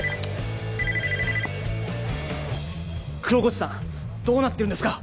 黒河内さんどうなってるんですか？